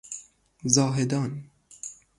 زاهدان